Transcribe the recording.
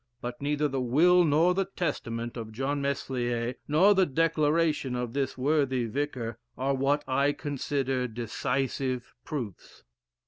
But neither the will nor the testament of John Meslier, nor the declaration of this worthy Vicar, are what I consider decisive proofs.